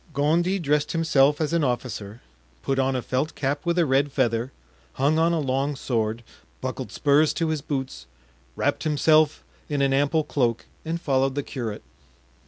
Gondy dressed himself as an officer, put on a felt cap with a red feather, hung on a long sword, buckled spurs to his boots, wrapped himself in an ample cloak and followed the curate.